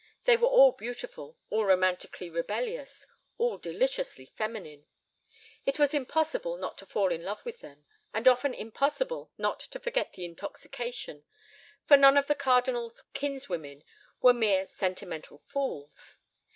They were all beautiful, all romantically rebellious, all deliciously feminine. It was impossible not to fall in love with them, and often impossible not to forget the intoxication, for none of the Cardinal's kinswomen were mere sentimental fools.